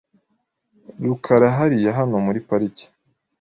rukara hariya hano muri parike .